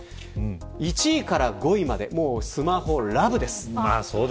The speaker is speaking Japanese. １位から５位までスマホラブです。